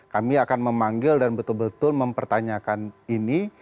kami akan memanggil dan betul betul mempertanyakan ini